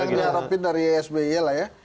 mungkin ada yang diharapkan dari sbi lah ya